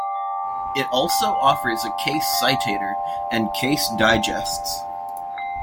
It also offers a case citator and case digests.